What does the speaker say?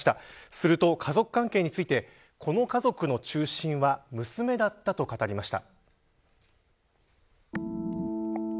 すると、家族関係についてこの家族の中心は娘だったと語りました。